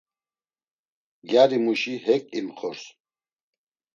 Gyarimuşi hek imxors.